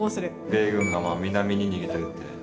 米軍が南に逃げてるって聞いたので。